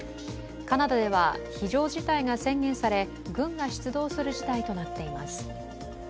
カナダでは非常事態が宣言され軍が出動する事態となっています。